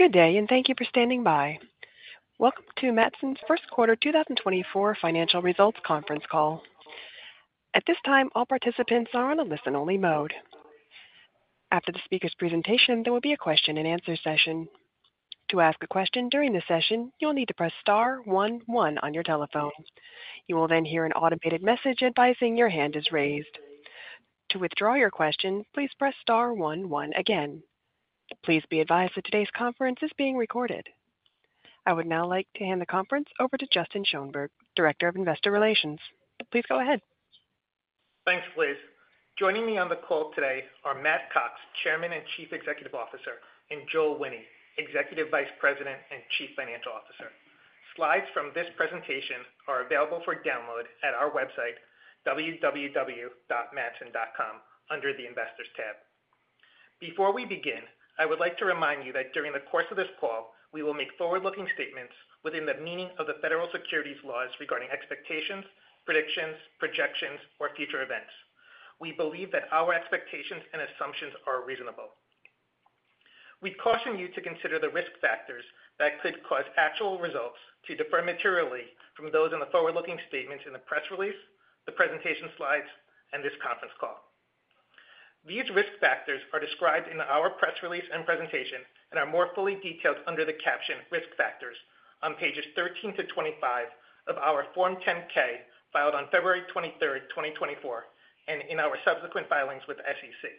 Good day, and thank you for standing by. Welcome to Matson's First Quarter 2024 Financial Results conference call. At this time, all participants are on a listen-only mode. After the speaker's presentation, there will be a question-and-answer session. To ask a question during the session, you'll need to press star one one on your telephone. You will then hear an automated message advising your hand is raised. To withdraw your question, please press star one one again. Please be advised that today's conference is being recorded. I would now like to hand the conference over to Justin Schoenberg, Director of Investor Relations. Please go ahead. Thanks, Liz. Joining me on the call today are Matt Cox, Chairman and Chief Executive Officer, and Joel Wine, Executive Vice President and Chief Financial Officer. Slides from this presentation are available for download at our website, www.matson.com, under the Investors tab. Before we begin, I would like to remind you that during the course of this call, we will make forward-looking statements within the meaning of the federal securities laws regarding expectations, predictions, projections, or future events. We believe that our expectations and assumptions are reasonable. We caution you to consider the risk factors that could cause actual results to differ materially from those in the forward-looking statements in the press release, the presentation slides, and this conference call. These risk factors are described in our press release and presentation and are more fully detailed under the caption Risk Factors on pages 13-25 of our Form 10-K, filed on February 23rd, 2024, and in our subsequent filings with SEC.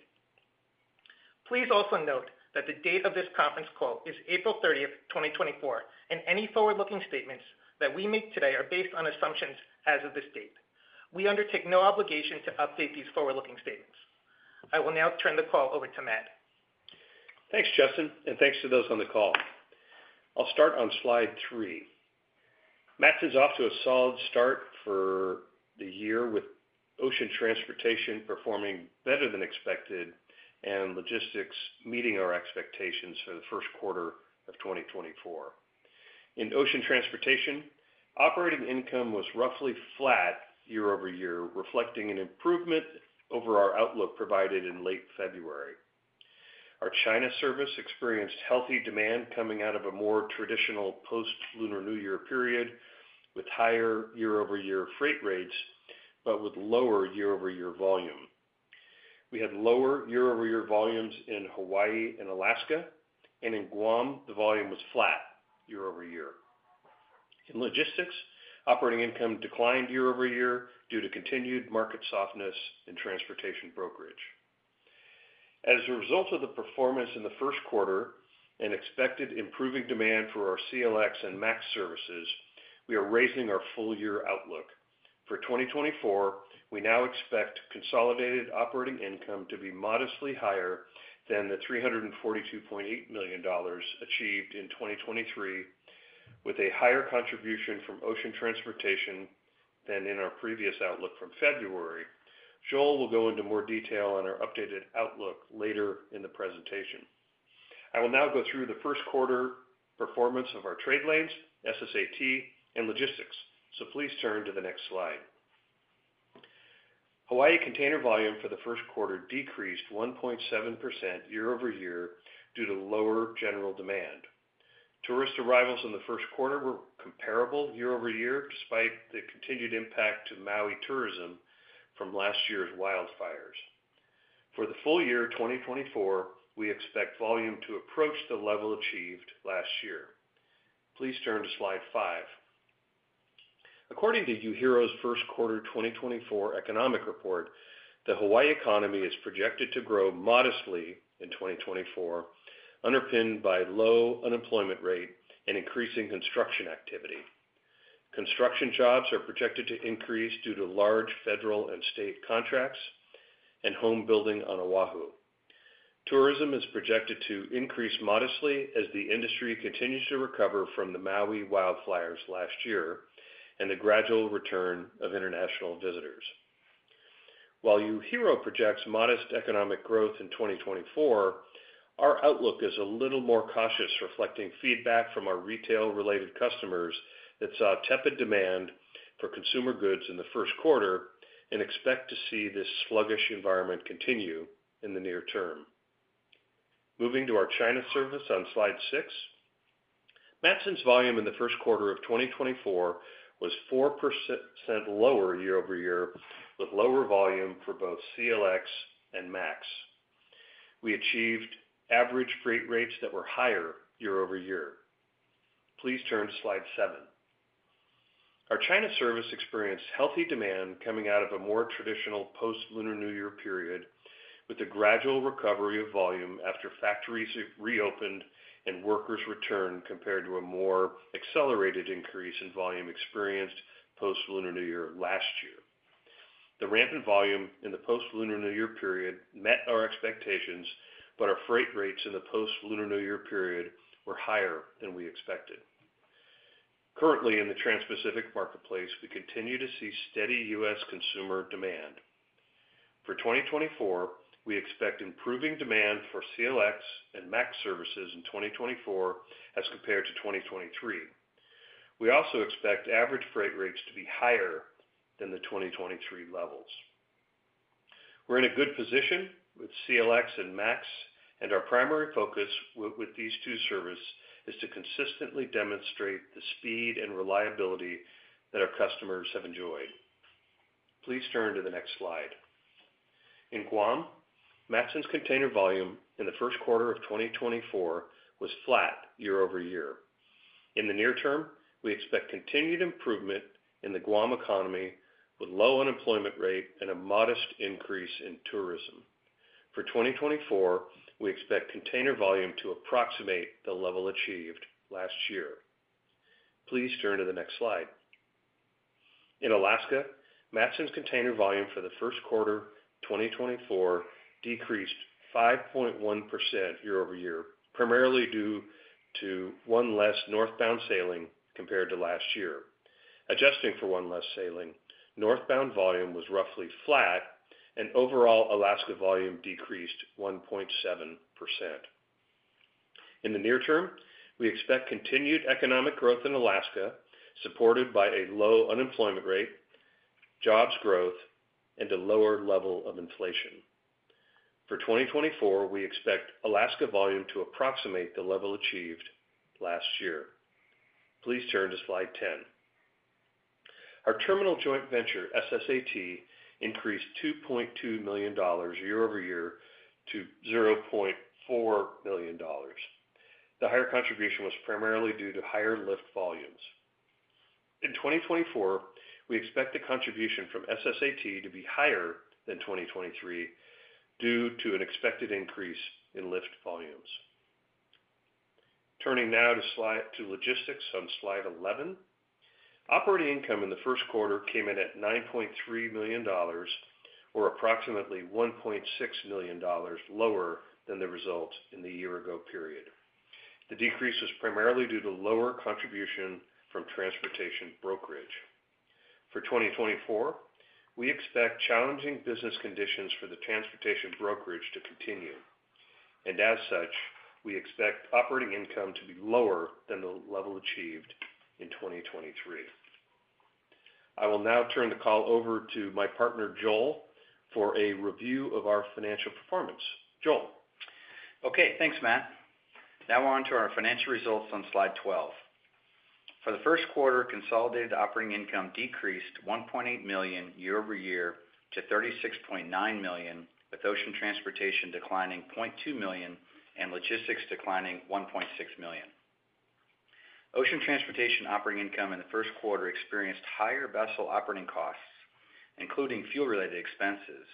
Please also note that the date of this conference call is April 30th, 2024, and any forward-looking statements that we make today are based on assumptions as of this date. We undertake no obligation to update these forward-looking statements. I will now turn the call over to Matt. Thanks, Justin, and thanks to those on the call. I'll start on slide three. Matson's off to a solid start for the year, with ocean transportation performing better than expected and logistics meeting our expectations for the first quarter of 2024. In ocean transportation, operating income was roughly flat year-over-year, reflecting an improvement over our outlook provided in late February. Our China service experienced healthy demand coming out of a more traditional post-Lunar New Year period, with higher year-over-year freight rates but with lower year-over-year volume. We had lower year-over-year volumes in Hawaii and Alaska, and in Guam, the volume was flat year-over-year. In logistics, operating income declined year-over-year due to continued market softness and transportation brokerage. As a result of the performance in the first quarter and expected improving demand for our CLX and MAX services, we are raising our full-year outlook. For 2024, we now expect consolidated operating income to be modestly higher than the $342.8 million achieved in 2023, with a higher contribution from ocean transportation than in our previous outlook from February. Joel will go into more detail on our updated outlook later in the presentation. I will now go through the first quarter performance of our trade lanes, SSAT, and logistics. So please turn to the next slide. Hawaii container volume for the first quarter decreased 1.7% year-over-year due to lower general demand. Tourist arrivals in the first quarter were comparable year-over-year, despite the continued impact to Maui tourism from last year's wildfires. For the full year 2024, we expect volume to approach the level achieved last year. Please turn to slide five. According to UHERO's first quarter 2024 economic report, the Hawaii economy is projected to grow modestly in 2024, underpinned by low unemployment rate and increasing construction activity. Construction jobs are projected to increase due to large federal and state contracts and home building on Oahu. Tourism is projected to increase modestly as the industry continues to recover from the Maui wildfires last year and the gradual return of international visitors. While UHERO projects modest economic growth in 2024, our outlook is a little more cautious, reflecting feedback from our retail-related customers that saw tepid demand for consumer goods in the first quarter and expect to see this sluggish environment continue in the near term. Moving to our China service on slide six. Matson's volume in the first quarter of 2024 was 4% lower year-over-year, with lower volume for both CLX and MAX. We achieved average freight rates that were higher year-over-year. Please turn to slide seven. Our China service experienced healthy demand coming out of a more traditional post-Lunar New Year period, with a gradual recovery of volume after factories reopened and workers returned, compared to a more accelerated increase in volume experienced post-Lunar New Year last year. The rampant volume in the post-Lunar New Year period met our expectations, but our freight rates in the post-Lunar New Year period were higher than we expected. Currently, in the Transpacific marketplace, we continue to see steady U.S. consumer demand. For 2024, we expect improving demand for CLX and MAX services in 2024 as compared to 2023. We also expect average freight rates to be higher than the 2023 levels. We're in a good position with CLX and MAX, and our primary focus with these two services is to consistently demonstrate the speed and reliability that our customers have enjoyed. Please turn to the next slide. In Guam, Matson's container volume in the first quarter of 2024 was flat year-over-year. In the near term, we expect continued improvement in the Guam economy, with low unemployment rate and a modest increase in tourism. For 2024, we expect container volume to approximate the level achieved last year. Please turn to the next slide. In Alaska, Matson's container volume for the first quarter, 2024, decreased 5.1% year-over-year, primarily due to one less northbound sailing compared to last year. Adjusting for one less sailing, northbound volume was roughly flat, and overall Alaska volume decreased 1.7%. In the near term, we expect continued economic growth in Alaska, supported by a low unemployment rate, jobs growth, and a lower level of inflation. For 2024, we expect Alaska volume to approximate the level achieved last year. Please turn to Slide 10. Our terminal joint venture, SSAT, increased $2.2 million year-over-year to $0.4 million. The higher contribution was primarily due to higher lift volumes. In 2024, we expect the contribution from SSAT to be higher than 2023, due to an expected increase in lift volumes. Turning now to slide to logistics on slide 11. Operating income in the first quarter came in at $9.3 million, or approximately $1.6 million lower than the result in the year-ago period. The decrease was primarily due to lower contribution from transportation brokerage. For 2024, we expect challenging business conditions for the transportation brokerage to continue, and as such, we expect operating income to be lower than the level achieved in 2023. I will now turn the call over to my partner, Joel, for a review of our financial performance. Joel? Okay, thanks, Matt. Now on to our financial results on slide 12. For the first quarter, consolidated operating income decreased to $1.8 million year-over-year to $36.9 million, with ocean transportation declining $0.2 million and logistics declining $1.6 million. Ocean transportation operating income in the first quarter experienced higher vessel operating costs, including fuel-related expenses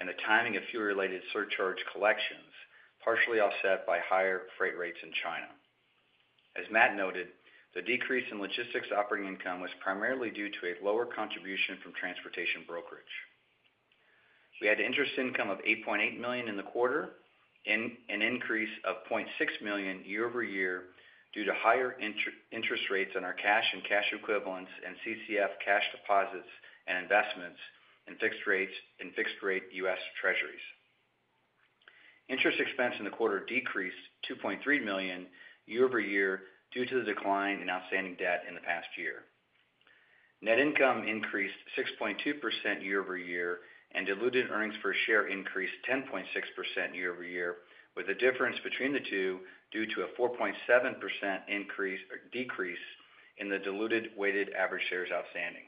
and the timing of fuel-related surcharge collections, partially offset by higher freight rates in China. As Matt noted, the decrease in logistics operating income was primarily due to a lower contribution from transportation brokerage. We had interest income of $8.8 million in the quarter, an increase of $0.6 million year-over-year, due to higher interest rates on our cash and cash equivalents and CCF cash deposits and investments in fixed rates and fixed-rate U.S. Treasuries. Interest expense in the quarter decreased $2.3 million year-over-year due to the decline in outstanding debt in the past year. Net income increased 6.2% year-over-year, and diluted earnings per share increased 10.6% year-over-year, with the difference between the two due to a 4.7% increase, or decrease in the diluted weighted average shares outstanding.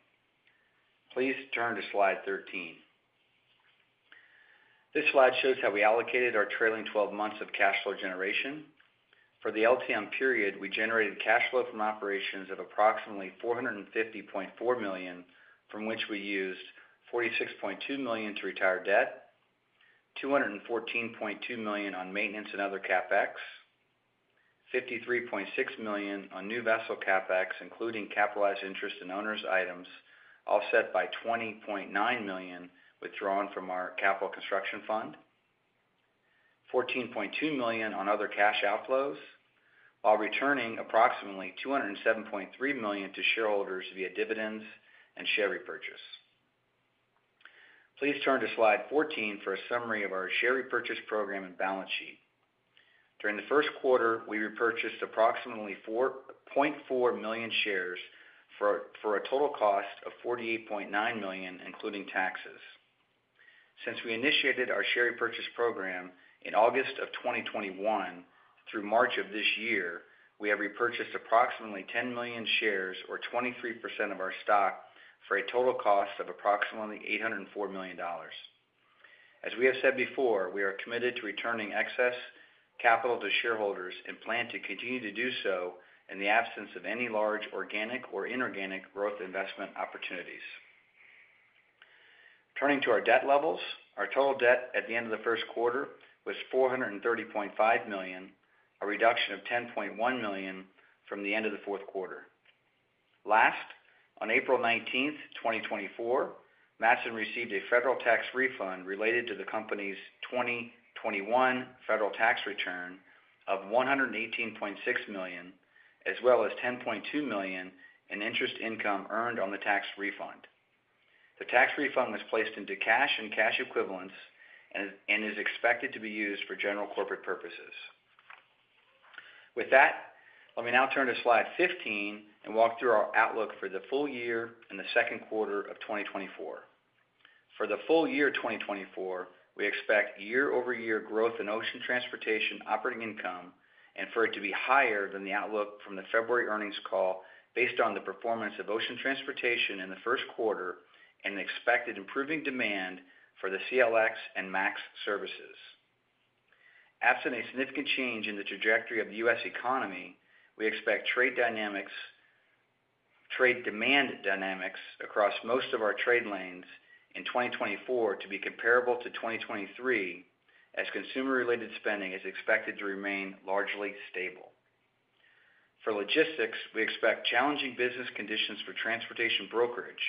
Please turn to slide 13. This slide shows how we allocated our trailing twelve months of cash flow generation. For the LTM period, we generated cash flow from operations of approximately $450.4 million, from which we used $46.2 million to retire debt, $214.2 million on maintenance and other CapEx, $53.6 million on new vessel CapEx, including capitalized interest and owners' items, offset by $20.9 million withdrawn from our capital construction fund, $14.2 million on other cash outflows, while returning approximately $207.3 million to shareholders via dividends and share repurchase. Please turn to slide 14 for a summary of our share repurchase program and balance sheet. During the first quarter, we repurchased approximately 4.4 million shares for a total cost of $48.9 million, including taxes. Since we initiated our share repurchase program in August of 2021, through March of this year, we have repurchased approximately 10 million shares, or 23% of our stock, for a total cost of approximately $804 million. As we have said before, we are committed to returning excess capital to shareholders and plan to continue to do so in the absence of any large organic or inorganic growth investment opportunities. Turning to our debt levels, our total debt at the end of the first quarter was $430.5 million, a reduction of $10.1 million from the end of the fourth quarter. Last, on April 19th, 2024, Matson received a federal tax refund related to the company's 2021 federal tax return of $118.6 million, as well as $10.2 million in interest income earned on the tax refund. The tax refund was placed into cash and cash equivalents and is expected to be used for general corporate purposes. With that, let me now turn to slide 15 and walk through our outlook for the full year and the second quarter of 2024. For the full year 2024, we expect year-over-year growth in ocean transportation operating income, and for it to be higher than the outlook from the February earnings call based on the performance of ocean transportation in the first quarter and the expected improving demand for the CLX and MAX services. Absent a significant change in the trajectory of the U.S. economy, we expect trade dynamics, trade demand dynamics across most of our trade lanes in 2024 to be comparable to 2023, as consumer-related spending is expected to remain largely stable. For logistics, we expect challenging business conditions for transportation brokerage,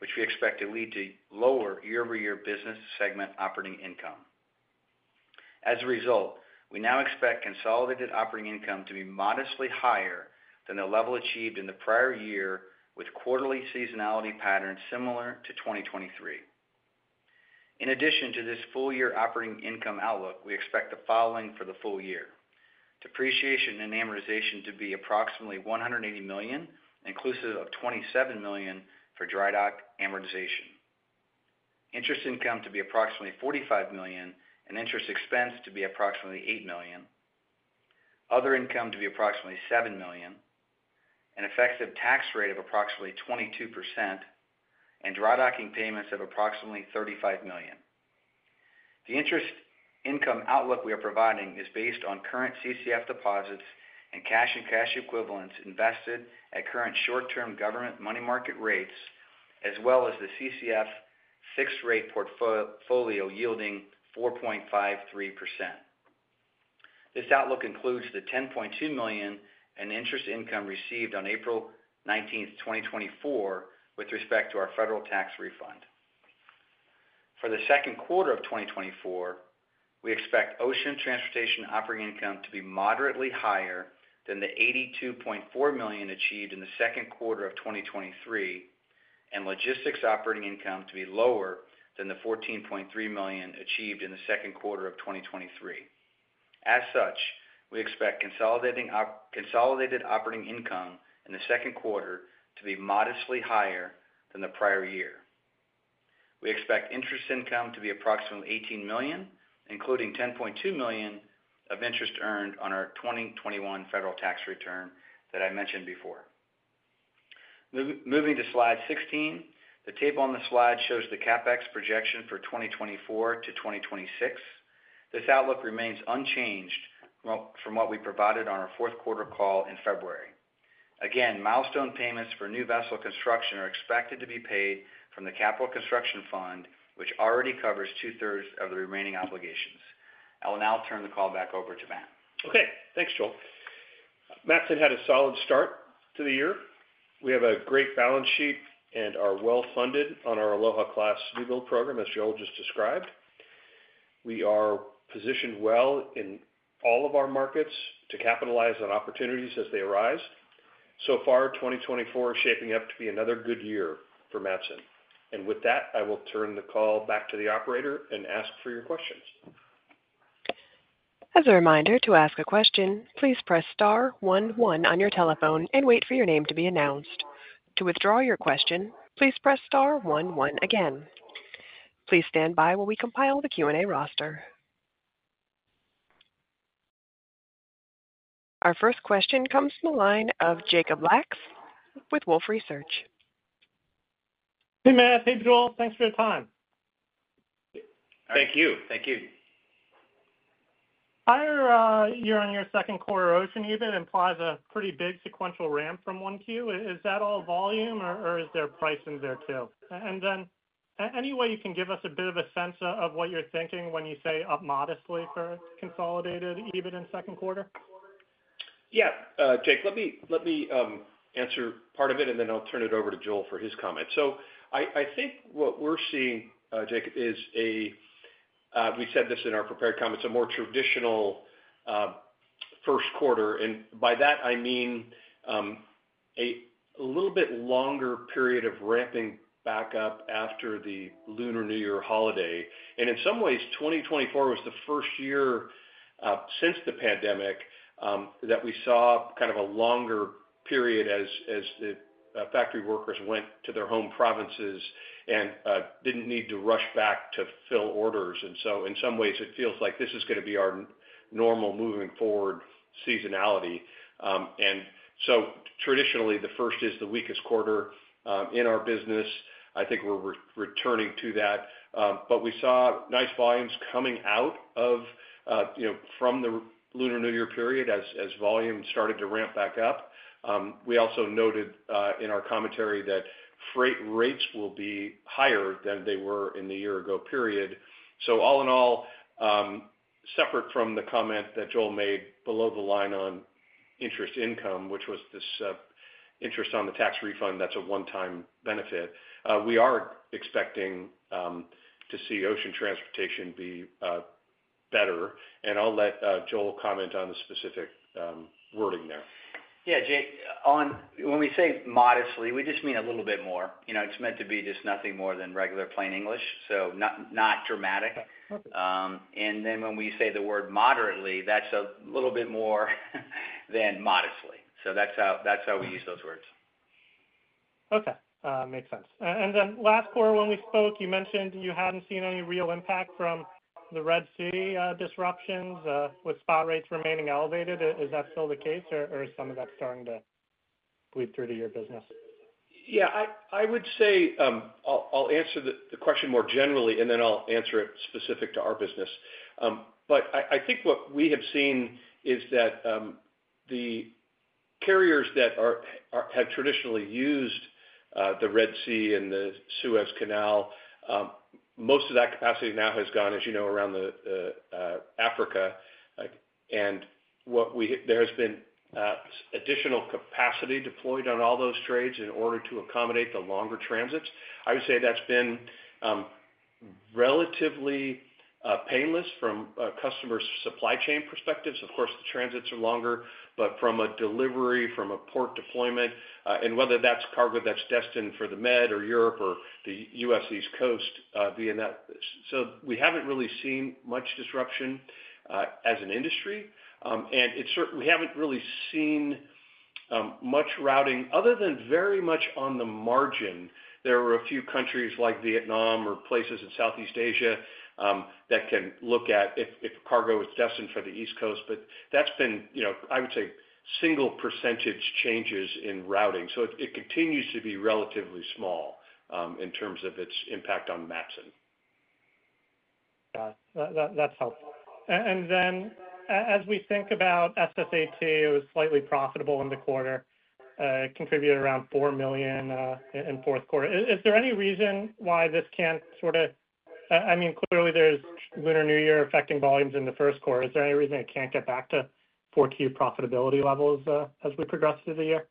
which we expect to lead to lower year-over-year business segment operating income. As a result, we now expect consolidated operating income to be modestly higher than the level achieved in the prior year, with quarterly seasonality patterns similar to 2023. In addition to this full-year operating income outlook, we expect the following for the full year: depreciation and amortization to be approximately $180 million, inclusive of $27 million for dry dock amortization, interest income to be approximately $45 million, and interest expense to be approximately $8 million, other income to be approximately $7 million, an effective tax rate of approximately 22%, and dry docking payments of approximately $35 million. The interest income outlook we are providing is based on current CCF deposits and cash and cash equivalents invested at current short-term government money market rates, as well as the CCF fixed rate portfolio yielding 4.53%. This outlook includes the $10.2 million in interest income received on April 19th, 2024, with respect to our federal tax refund. For the second quarter of 2024, we expect ocean transportation operating income to be moderately higher than the $82.4 million achieved in the second quarter of 2023, and logistics operating income to be lower than the $14.3 million achieved in the second quarter of 2023. As such, we expect consolidated operating income in the second quarter to be modestly higher than the prior year. We expect interest income to be approximately $18 million, including $10.2 million of interest earned on our 2021 federal tax return that I mentioned before. Moving to slide 16, the table on the slide shows the CapEx projection for 2024 to 2026. This outlook remains unchanged from what we provided on our fourth quarter call in February. Again, milestone payments for new vessel construction are expected to be paid from the Capital Construction Fund, which already covers two-thirds of the remaining obligations. I will now turn the call back over to Matt. Okay, thanks, Joel. Matson had a solid start to the year. We have a great balance sheet and are well-funded on our Aloha Class new-build program, as Joel just described. We are positioned well in all of our markets to capitalize on opportunities as they arise. So far, 2024 is shaping up to be another good year for Matson. And with that, I will turn the call back to the operator and ask for your questions. As a reminder, to ask a question, please press star one one on your telephone and wait for your name to be announced. To withdraw your question, please press star one one again. Please stand by while we compile the Q&A roster. Our first question comes from the line of Jacob Lacks with Wolfe Research. Hey, Matt. Hey, Joel. Thanks for your time. Thank you. Thank you. Higher year-on-year second quarter ocean EBIT implies a pretty big sequential ramp from 1Q. Is that all volume or is there pricing there, too? And then, any way you can give us a bit of a sense of what you're thinking when you say up modestly for consolidated EBIT in the second quarter? Yeah, Jake, let me answer part of it, and then I'll turn it over to Joel for his comment. So I think what we're seeing, Jake, is we said this in our prepared comments, a more traditional first quarter. And by that, I mean a little bit longer period of ramping back up after the Lunar New Year holiday. And in some ways, 2024 was the first year since the pandemic that we saw kind of a longer period as the factory workers went to their home provinces and didn't need to rush back to fill orders. And so in some ways, it feels like this is gonna be our normal moving forward seasonality. And so traditionally, the first is the weakest quarter in our business. I think we're returning to that, but we saw nice volumes coming out of, you know, from the Lunar New Year period as volumes started to ramp back up. We also noted in our commentary that freight rates will be higher than they were in the year ago period. So all in all, separate from the comment that Joel made below the line on interest income, which was this, interest on the tax refund, that's a one-time benefit, we are expecting to see ocean transportation be better, and I'll let Joel comment on the specific wording there. Yeah, Jake, on when we say modestly, we just mean a little bit more. You know, it's meant to be just nothing more than regular plain English, so not dramatic. And then when we say the word moderately, that's a little bit more than modestly. So that's how we use those words. Okay, makes sense. Last quarter, when we spoke, you mentioned you hadn't seen any real impact from the Red Sea disruptions with spot rates remaining elevated. Is that still the case, or is some of that starting to bleed through to your business? Yeah, I would say, I'll answer the question more generally, and then I'll answer it specific to our business. But I think what we have seen is that the carriers that have traditionally used the Red Sea and the Suez Canal, most of that capacity now has gone, as you know, around Africa. Like, and what we have there has been additional capacity deployed on all those trades in order to accommodate the longer transits. I would say that's been relatively painless from a customer's supply chain perspectives. Of course, the transits are longer, but from a delivery, from a port deployment, and whether that's cargo that's destined for the Med or Europe or the U.S. East Coast, via that. So we haven't really seen much disruption, as an industry. And it's certain we haven't really seen much routing other than very much on the margin. There were a few countries like Vietnam or places in Southeast Asia that can look at if, if cargo is destined for the East Coast, but that's been, you know, I would say, single percentage changes in routing. So it, it continues to be relatively small in terms of its impact on Matson. Got it. That helps. And then as we think about SSAT, it was slightly profitable in the quarter, it contributed around $4 million in fourth quarter. Is there any reason why this can't sort of, I mean, clearly, there's Lunar New Year affecting volumes in the first quarter. Is there any reason it can't get back to four-quarter profitability levels, as we progress through the year?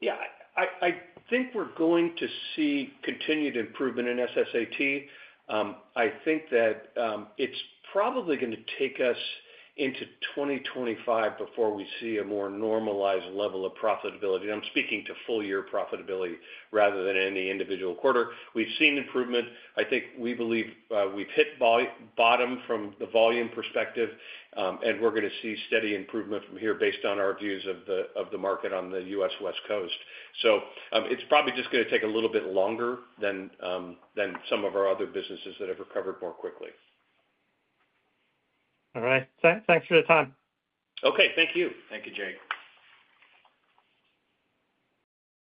Yeah, I think we're going to see continued improvement in SSAT. I think that it's probably going to take us into 2025 before we see a more normalized level of profitability. I'm speaking to full year profitability rather than any individual quarter. We've seen improvement. I think we believe we've hit bottom from the volume perspective, and we're going to see steady improvement from here based on our views of the market on the U.S. West Coast. So, it's probably just going to take a little bit longer than some of our other businesses that have recovered more quickly. All right. Thanks for the time. Okay, thank you. Thank you, Jake.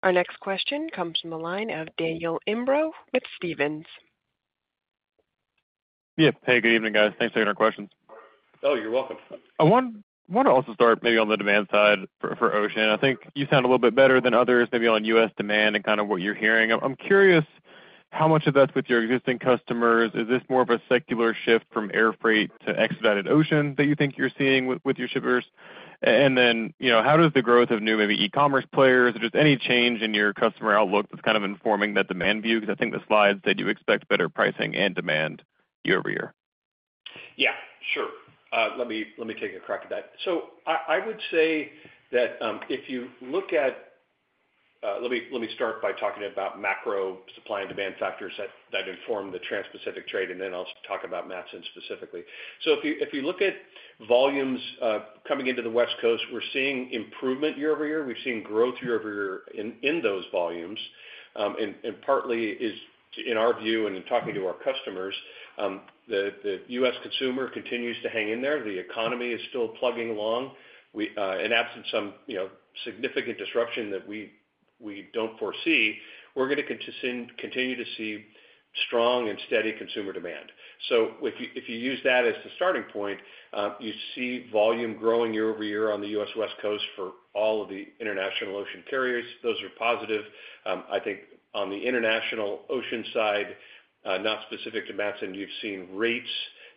Our next question comes from the line of Daniel Imbro with Stephens. Yeah. Hey, good evening, guys. Thanks for taking our questions. Oh, you're welcome. I want to also start maybe on the demand side for ocean. I think you sound a little bit better than others, maybe on U.S. demand and kind of what you're hearing. I'm curious how much of that's with your existing customers. Is this more of a secular shift from air freight to expedited ocean that you think you're seeing with your shippers? And then, you know, how does the growth of new, maybe e-commerce players, or just any change in your customer outlook that's kind of informing that demand view? Because I think the slides said you expect better pricing and demand year-over-year. Yeah, sure. Let me take a crack at that. So I would say that, if you look at. Let me start by talking about macro supply and demand factors that inform the Transpacific trade, and then I'll talk about Matson specifically. So if you look at volumes coming into the West Coast, we're seeing improvement year-over-year. We've seen growth year-over-year in those volumes. And partly is, in our view and in talking to our customers, the U.S. consumer continues to hang in there. The economy is still plugging along. We and absent some, you know, significant disruption that we don't foresee, we're going to continue to see strong and steady consumer demand. So if you, if you use that as the starting point, you see volume growing year-over-year on the U.S. West Coast for all of the international ocean carriers. Those are positive. I think on the international ocean side, not specific to Matson, you've seen rates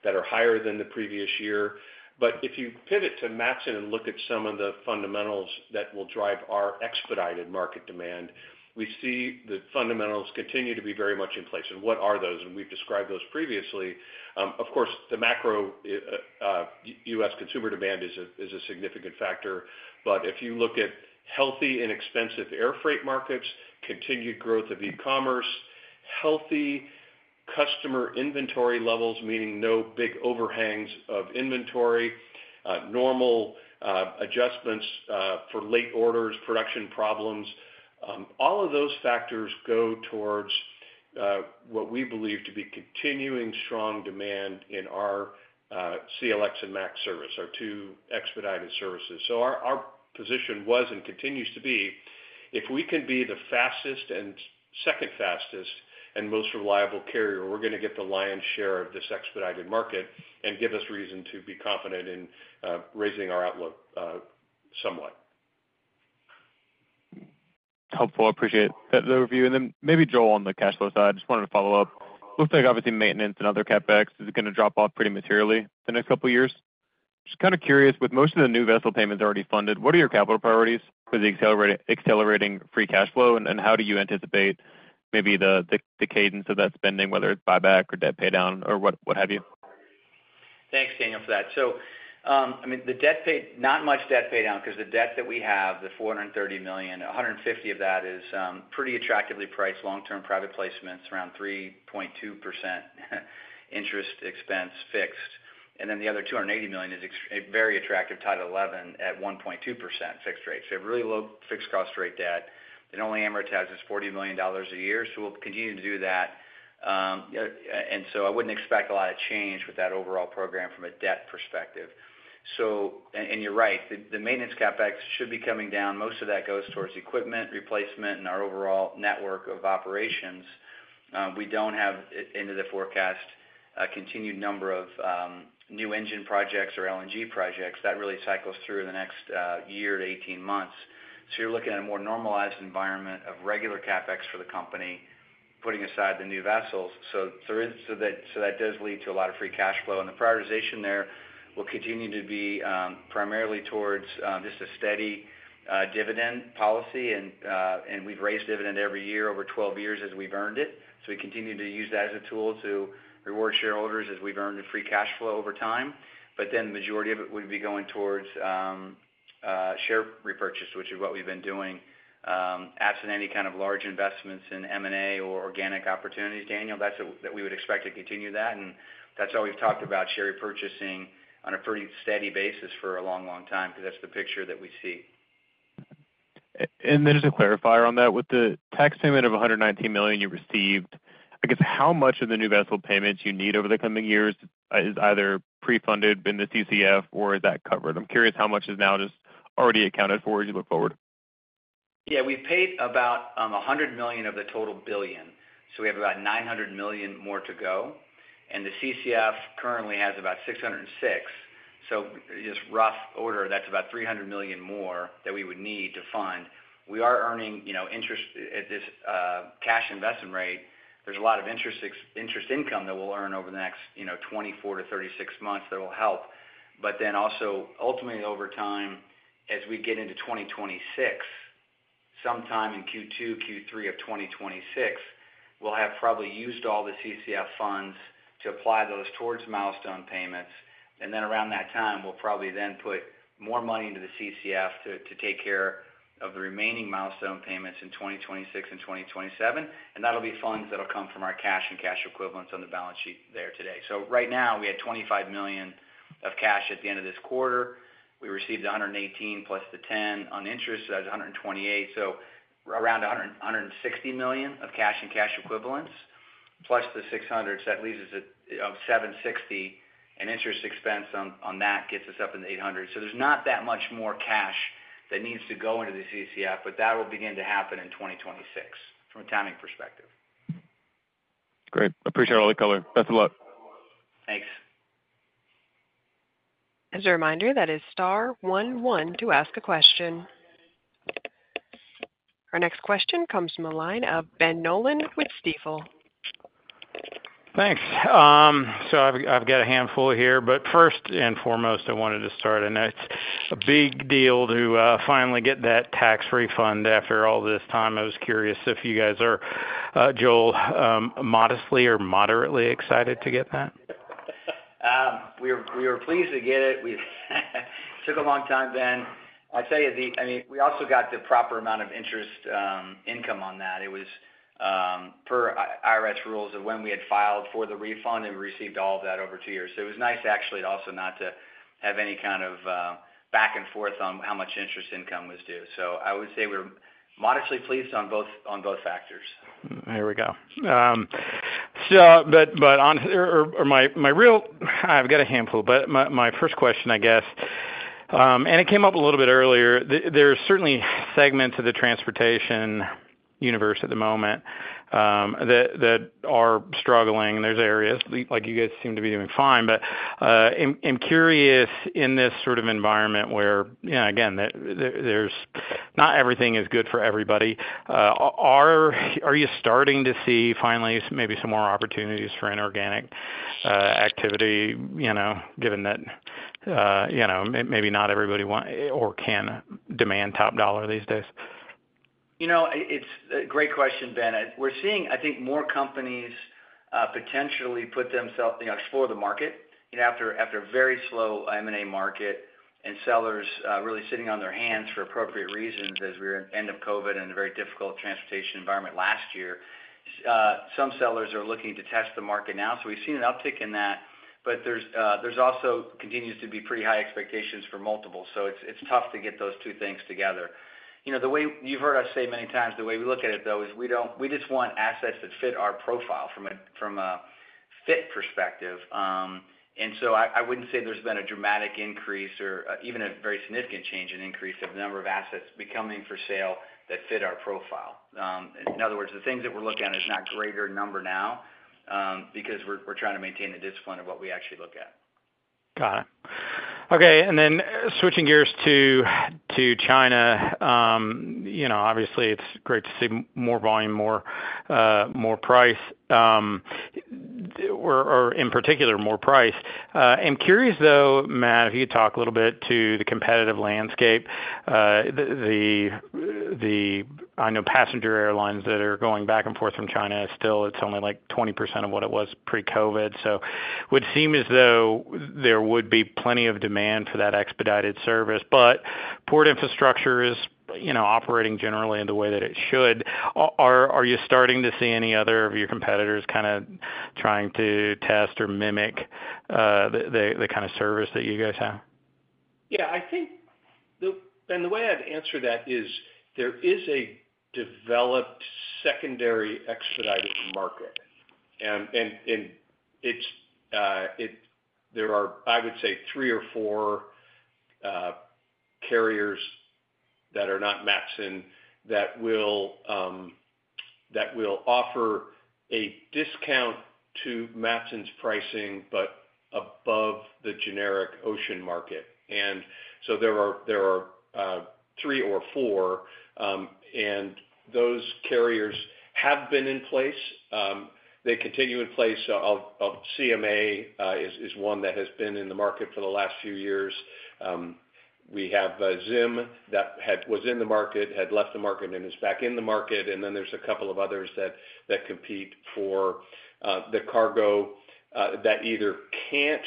that are higher than the previous year. But if you pivot to Matson and look at some of the fundamentals that will drive our expedited market demand, we see the fundamentals continue to be very much in place. And what are those? And we've described those previously. Of course, the macro, U.S. Consumer demand is a significant factor, but if you look at healthy and expensive air freight markets, continued growth of e-commerce, healthy customer inventory levels, meaning no big overhangs of inventory, normal adjustments for late orders, production problems, all of those factors go towards what we believe to be continuing strong demand in our CLX and MAX service, our two expedited services. So our position was, and continues to be, if we can be the fastest and second fastest and most reliable carrier, we're going to get the lion's share of this expedited market and give us reason to be confident in raising our outlook somewhat. Helpful. I appreciate the overview. And then maybe, Joel, on the cash flow side, I just wanted to follow up. Looks like obviously maintenance and other CapEx is going to drop off pretty materially the next couple of years. Just kind of curious, with most of the new vessel payments already funded, what are your capital priorities for the accelerating free cash flow, and how do you anticipate maybe the cadence of that spending, whether it's buyback or debt paydown or what, what have you? Thanks, Daniel, for that. So, I mean, the debt paid, not much debt paid down because the debt that we have, the $430 million, $150 million of that is pretty attractively priced long-term private placements, around 3.2% interest expense fixed. And then the other $280 million is a very attractive Title XI at 1.2% fixed rate. So a really low fixed cost rate debt. It only amortizes $40 million a year, so we'll continue to do that. And so I wouldn't expect a lot of change with that overall program from a debt perspective. So, and you're right, the maintenance CapEx should be coming down. Most of that goes towards equipment replacement and our overall network of operations. We don't have into the forecast a continued number of new engine projects or LNG projects. That really cycles through the next year to 18 months. So you're looking at a more normalized environment of regular CapEx for the company, putting aside the new vessels. So that does lead to a lot of free cash flow. And the prioritization there will continue to be primarily towards just a steady dividend policy. And we've raised dividend every year over 12 years as we've earned it. So we continue to use that as a tool to reward shareholders as we've earned the free cash flow over time. But then the majority of it would be going towards share repurchase, which is what we've been doing. Absent any kind of large investments in M&A or organic opportunities, Daniel, that's that we would expect to continue that. That's all we've talked about, share repurchasing on a pretty steady basis for a long, long time, because that's the picture that we see. And then just a clarifier on that. With the tax payment of $119 million you received, I guess, how much of the new vessel payments you need over the coming years is either pre-funded in the CCF, or is that covered? I'm curious how much is now just already accounted for as you look forward. Yeah, we've paid about $100 million of the total $1 billion, so we have about $900 million more to go. And the CCF currently has about $606 million. So just rough order, that's about $300 million more that we would need to fund. We are earning, you know, interest at this cash investment rate. There's a lot of interest income that we'll earn over the next, you know, 24-36 months that will help. But then also, ultimately, over time, as we get into 2026, sometime in Q2-Q3 of 2026, we'll have probably used all the CCF funds to apply those towards milestone payments. And then around that time, we'll probably then put more money into the CCF to take care of the remaining milestone payments in 2026 and 2027. And that'll be funds that'll come from our cash and cash equivalents on the balance sheet there today. So right now, we had $25 million of cash at the end of this quarter. We received $118 million plus the $10 million on interest, so that's $128 million. So around $160 million of cash and cash equivalents, plus the $600 million. So that leaves us at $760 million, and interest expense on that gets us up in the $800 million. So there's not that much more cash that needs to go into the CCF, but that will begin to happen in 2026, from a timing perspective. Great. I appreciate all the color. Best of luck. Thanks. As a reminder, that is star one one to ask a question. Our next question comes from the line of Ben Nolan with Stifel. Thanks. So I've got a handful here, but first and foremost, I wanted to start. I know it's a big deal to finally get that tax refund after all this time. I was curious if you guys are, Joel, modestly or moderately excited to get that? We are pleased to get it. Took a long time, Ben. I'll tell you. I mean, we also got the proper amount of interest income on that. It was per IRS rules of when we had filed for the refund and received all of that over two years. So it was nice actually also not to have any kind of back and forth on how much interest income was due. So I would say we're modestly pleased on both factors. There we go. I've got a handful, but my first question, I guess, and it came up a little bit earlier. There are certainly segments of the transportation universe at the moment that are struggling, and there's areas like you guys seem to be doing fine. But I'm curious, in this sort of environment where, you know, again, that there's not everything is good for everybody, are you starting to see finally maybe some more opportunities for inorganic activity, you know, given that, you know, maybe not everybody want or can demand top dollar these days? You know, it's a great question, Ben. We're seeing, I think, more companies potentially put themselves, you know, explore the market. And after a very slow M&A market and sellers really sitting on their hands for appropriate reasons as we're end of COVID and a very difficult transportation environment last year, some sellers are looking to test the market now. So we've seen an uptick in that, but there's also continues to be pretty high expectations for multiples. So it's tough to get those two things together. You know, the way you've heard us say many times, the way we look at it, though, is we don't we just want assets that fit our profile from a fit perspective. I wouldn't say there's been a dramatic increase or even a very significant change in increase of the number of assets becoming for sale that fit our profile. In other words, the things that we're looking at is not greater number now, because we're trying to maintain the discipline of what we actually look at. Got it. Okay, and then switching gears to China, you know, obviously, it's great to see more volume, more price, or in particular, more price. I'm curious, though, Matt, if you could talk a little bit to the competitive landscape. The, I know passenger airlines that are going back and forth from China, still, it's only like 20% of what it was pre-COVID. So would seem as though there would be plenty of demand for that expedited service, but port infrastructure is, you know, operating generally in the way that it should. Are you starting to see any other of your competitors kind of trying to test or mimic the kind of service that you guys have? Yeah, I think. And the way I'd answer that is, there is a developed secondary expedited market, and there are, I would say, three or four carriers that are not Matson, that will offer a discount to Matson's pricing, but above the generic ocean market. And so there are three or four, and those carriers have been in place. They continue in place. CMA is one that has been in the market for the last few years. We have Zim that was in the market, had left the market, and is back in the market. And then there's a couple of others that compete for the cargo that either can't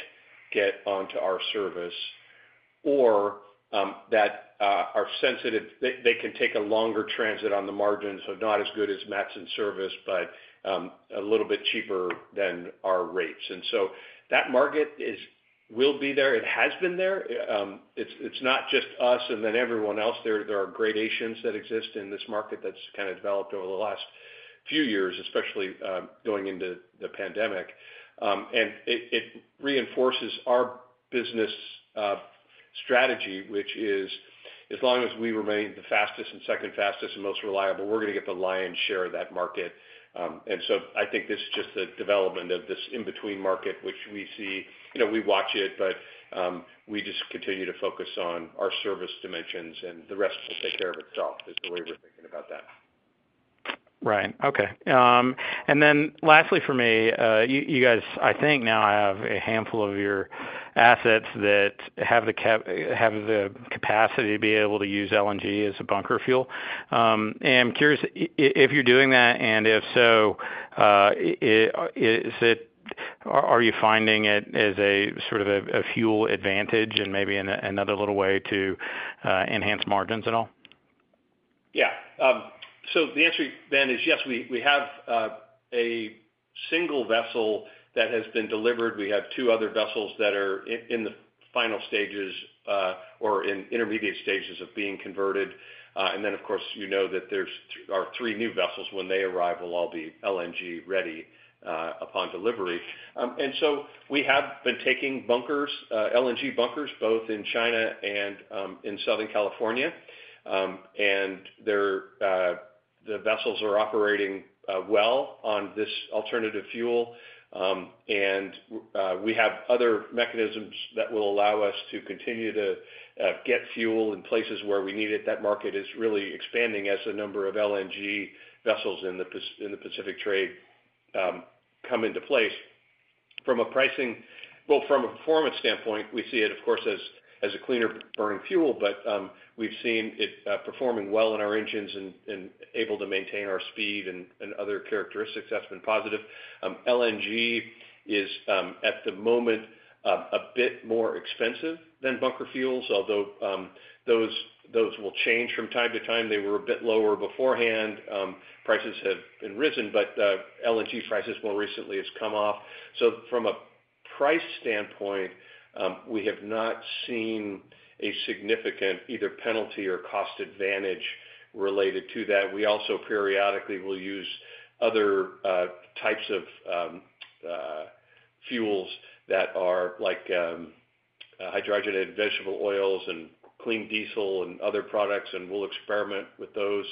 get onto our service or that are sensitive. They can take a longer transit on the margin, so not as good as Matson service, but a little bit cheaper than our rates. And so that market will be there. It has been there. It's not just us and then everyone else. There are gradations that exist in this market that's kind of developed over the last few years, especially going into the pandemic. And it reinforces our business strategy, which is, as long as we remain the fastest and second fastest and most reliable, we're gonna get the lion's share of that market. And so I think this is just the development of this in-between market, which we see. You know, we watch it, but, we just continue to focus on our service dimensions, and the rest will take care of itself, is the way we're thinking about that. Right. Okay. And then lastly for me, you guys, I think now have a handful of your assets that have the capacity to be able to use LNG as a bunker fuel. I'm curious if you're doing that, and if so, is it a sort of a fuel advantage and maybe another little way to enhance margins at all? Yeah. So the answer, Ben, is yes. We have a single vessel that has been delivered. We have two other vessels that are in the final stages or in intermediate stages of being converted. And then, of course, you know that there are three new vessels. When they arrive, they will all be LNG ready upon delivery. And so we have been taking bunkers, LNG bunkers, both in China and in Southern California. And the vessels are operating well on this alternative fuel. And we have other mechanisms that will allow us to continue to get fuel in places where we need it. That market is really expanding as the number of LNG vessels in the Pacific trade come into place From a pricing, well, from a performance standpoint, we see it, of course, as a cleaner burning fuel, but we've seen it performing well in our engines and able to maintain our speed and other characteristics that's been positive. LNG is, at the moment, a bit more expensive than bunker fuels, although those will change from time to time. They were a bit lower beforehand. Prices have been risen, but LNG prices more recently has come off. So from a price standpoint, we have not seen a significant either penalty or cost advantage related to that. We also periodically will use other types of fuels that are like hydrogenated vegetable oils and clean diesel and other products, and we'll experiment with those.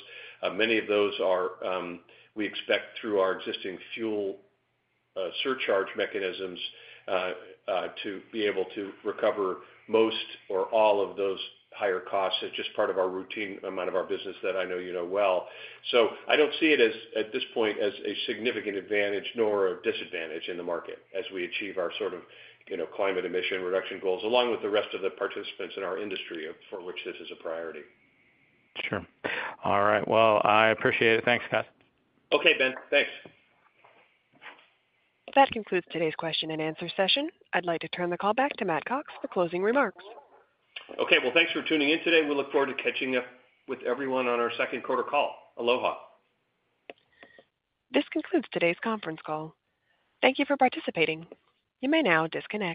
Many of those are, we expect, through our existing fuel surcharge mechanisms, to be able to recover most or all of those higher costs. It's just part of our routine amount of our business that I know you know well. So I don't see it as, at this point, as a significant advantage nor a disadvantage in the market as we achieve our sort of, you know, climate emission reduction goals, along with the rest of the participants in our industry for which this is a priority. Sure. All right. Well, I appreciate it. Thanks, Scott. Okay, Ben. Thanks. That concludes today's question and answer session. I'd like to turn the call back to Matt Cox for closing remarks. Okay, well, thanks for tuning in today. We look forward to catching up with everyone on our second quarter call. Aloha. This concludes today's conference call. Thank you for participating. You may now disconnect.